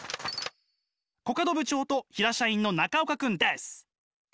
コカド部長と平社員の中岡くんです！